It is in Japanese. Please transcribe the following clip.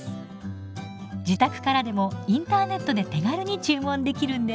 自宅からでもインターネットで手軽に注文できるんです。